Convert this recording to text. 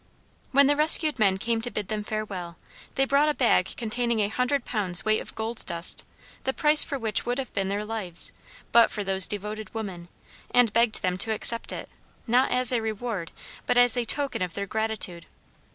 When the rescued men came to bid them farewell, they brought a bag containing a hundred pounds weight of gold dust, the price for which would have been their lives, but for those devoted women, and begged them to accept it, not as a reward, but as a token of their gratitude.